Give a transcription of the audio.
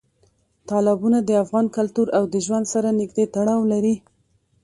تالابونه د افغان کلتور او ژوند سره نږدې تړاو لري.